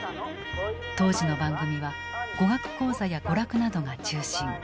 当時の番組は語学講座や娯楽などが中心。